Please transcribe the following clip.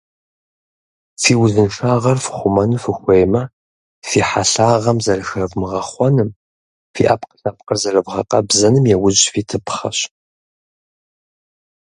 Фи узыншагъэр фхъумэну фыхуеймэ, фи хьэлъагъэм зэрыхэвмыгъэхъуэным, фи Ӏэпкълъэпкъыр зэрывгъэкъэбзэным яужь фитыпхъэщ.